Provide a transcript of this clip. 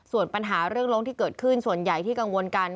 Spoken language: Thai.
ส่วนปัญหาเรื่องล้งที่เกิดขึ้นส่วนใหญ่ที่กังวลกัน